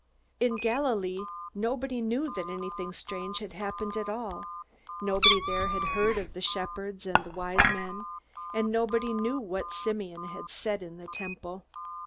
In Galilee nobody knew that anything strange had happened at all. Nobody there had heard of the shepherds and the Wise Men, and nobody knew what Simeon had said in the Temple.